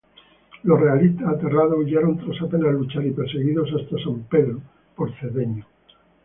Los realistas, aterrados, huyeron tras apenas luchar y perseguidos hasta San Pedro por Cedeño.